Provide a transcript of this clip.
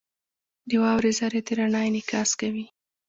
• د واورې ذرې د رڼا انعکاس کوي.